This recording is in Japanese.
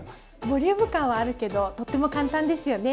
ボリューム感はあるけどとっても簡単ですよね。